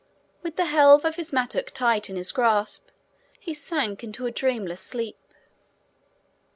With the helve of his mattock tight in his grasp, he sank into a dreamless sleep.